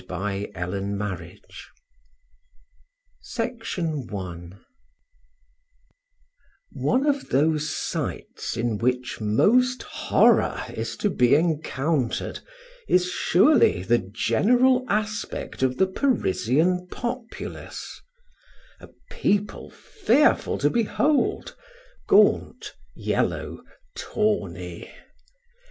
THE GIRL WITH THE GOLDEN EYES One of those sights in which most horror is to be encountered is, surely, the general aspect of the Parisian populace a people fearful to behold, gaunt, yellow, tawny.